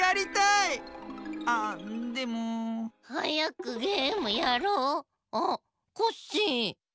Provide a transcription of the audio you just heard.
はやくゲームやろう。あっコッシー。